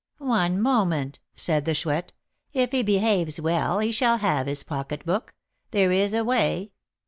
"One moment," said the Chouette; "if he behaves well, he shall have his pocketbook. There is a way."